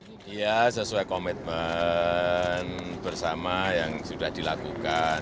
ini dia sesuai komitmen bersama yang sudah dilakukan